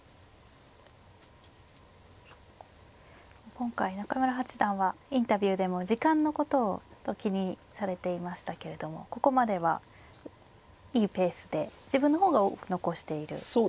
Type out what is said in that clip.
今回中村八段はインタビューでも時間のことを気にされていましたけれどもここまではいいペースで自分の方が多く残している展開ですね。